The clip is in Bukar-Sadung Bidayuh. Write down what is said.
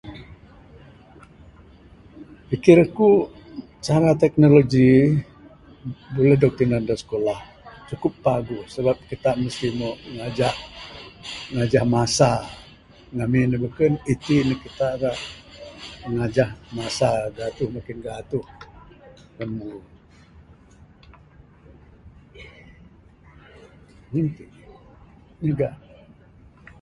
Pikir aku cara teknologi buleh dog tinan da sikulah cukup paguh sabab kita mesti mbuh ngajah...ngajah masa...ngamin ne beken itin ne kita ira ngajah masa gatuh makin gatuh nyambung...manih ti manih aga.